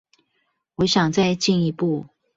我想再進一步